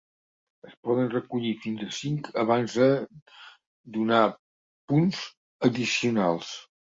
Es poden recollir fins a cinc abans de donar punts addicionals.